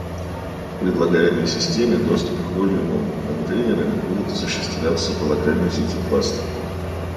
В предлагаемой системе доступ к вольюмам контейнерами будет осуществляться по локальной сети кластера